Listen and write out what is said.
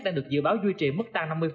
đang được dự báo duy trì mức tăng năm mươi